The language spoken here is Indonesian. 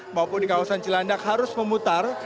maupun di kawasan cilandak harus memutar